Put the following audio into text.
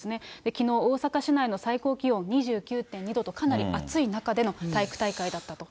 きのう、大阪市内の最高気温２９．２度と、かなり暑い中での体育大会だったと。